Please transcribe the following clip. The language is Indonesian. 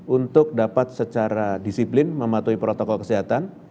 untuk dapat secara disiplin mematuhi protokol kesehatan